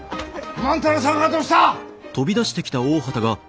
万太郎さんがどうした！？